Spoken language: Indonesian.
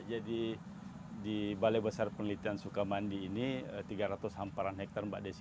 jadi di balai besar penelitian sukamandi ini tiga ratus hamparan hektare